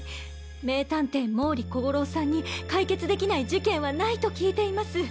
名探偵毛利小五郎さんに解決できない事件はないと聞いています。